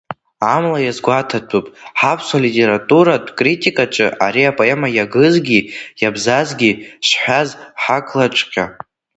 Амала иазгәаҭатәуп, ҳаԥсуа литературатә критикаҿы ари апоема иагызгьы, иабзазгьы шҳәаз ҳақлаҵәҟьа.